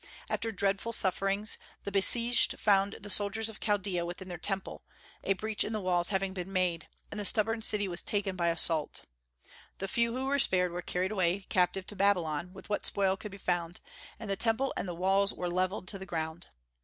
After dreadful sufferings, the besieged found the soldiers of Chaldaea within their Temple, a breach in the walls having been made, and the stubborn city was taken by assault. The few who were spared were carried away captive to Babylon with what spoil could be found, and the Temple and the walls were levelled to the ground.